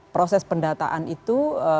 proses pendataan itu